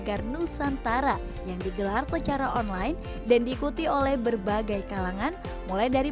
segar nusantara yang digelar secara online dan diikuti oleh berbagai kalangan mulai dari